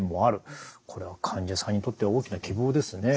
これは患者さんにとっては大きな希望ですね。